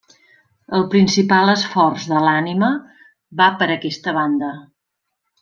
El principal esforç de l'ànima va per aquesta banda.